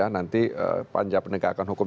nanti panja penegakan hukum